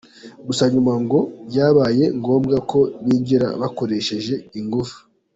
Gusa nyuma ngo byabaye ngombwa ko binjira bakoresheje ingufu.